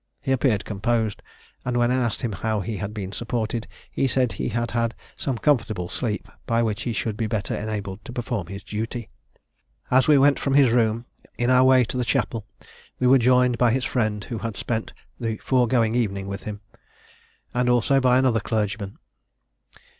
He appeared composed; and when I asked him how he had been supported, he said that he had had some comfortable sleep, by which he should be the better enabled to perform his duty. "As we went from his room, in our way to the chapel, we were joined by his friend, who had spent the foregoing evening with him, and also by another clergyman.